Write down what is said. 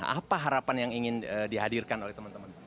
apa harapan yang ingin dihadirkan oleh teman teman